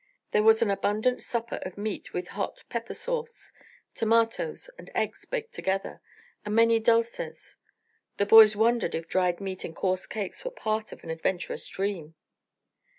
There was an abundant supper of meat with hot pepper sauce, tomatoes and eggs baked together, and many dulces. The boys wondered if dried meat and coarse cakes were part of an adventurous dream.